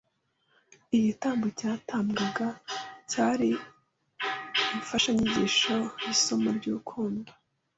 Igitambo cyatambwaga cyari imfashanyigisho y’isomo ry’urukundo